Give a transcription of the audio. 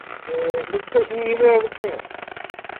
E non tes nin idea de quen é?